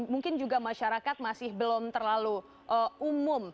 mungkin juga masyarakat masih belum terlalu umum